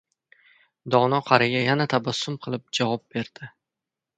Dono qariya yana tabassum qilib javob berdi: